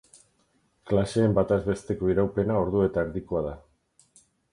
Klaseen bataz besteko iraupena ordu eta erdikoa da.